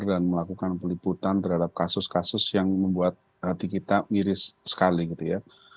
dan melakukan peliputan terhadap kasus kasus yang membuat hati kita miris sekali gitu ya